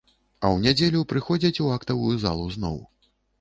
А ў нядзелю прыходзяць у актавую залу зноў.